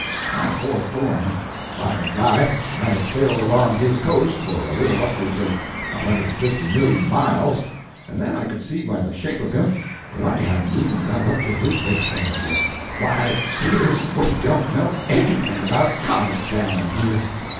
I forged along. By and by I had sailed along his coast for a little upwards of a hundred and fifty million miles, and then I could see by the shape of him that I hadn't even got up to his waistband yet. Why, Peters, we don't know anything about comets, down here.